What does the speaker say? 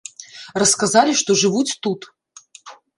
Расказалі, што жывуць тут.